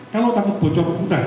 kalau takut bocok udah